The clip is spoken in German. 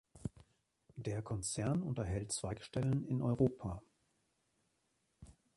Der Konzern unterhält Zweigstellen in Europa.